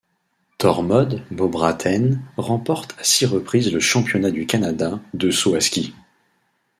Tormod Mobraaten remporte à six reprises le championnat du Canada de saut à ski.